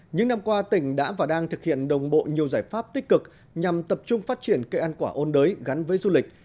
những năm qua tỉnh đã và đang thực hiện đồng bộ nhiều giải pháp tích cực nhằm tập trung phát triển cây ăn quả ôn đới gắn với du lịch